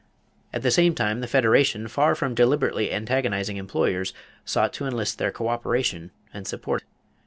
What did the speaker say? At the same time, the Federation, far from deliberately antagonizing employers, sought to enlist their coöperation and support.